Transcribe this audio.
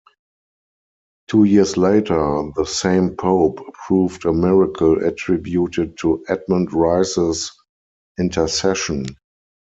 Two years later, the same Pope approved a miracle attributed to Edmund Rice's intercession.